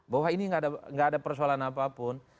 bahwa ini tidak ada persoalan apapun